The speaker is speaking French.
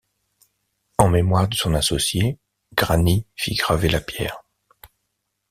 En mémoire de son associé, Grani fit graver la pierre.